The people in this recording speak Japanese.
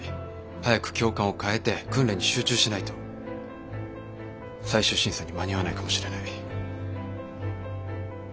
早く教官を替えて訓練に集中しないと最終審査に間に合わないかもしれない。